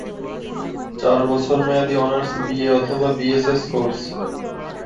চার বছর মেয়াদি অনার্স বিএ/বিএসএস কোর্স।